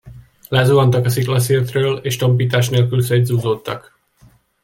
Lezuhantak a szikla szirtről, és tompítás nélkül szét-zúzódtak.